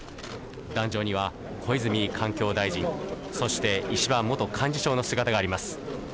壇上には小泉環境大臣、そして石破元幹事長の姿があります。